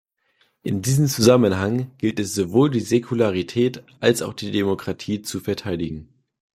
In diesem Zusammenhang gilt es, sowohl die Säkularität als auch die Demokratie zu verteidigen.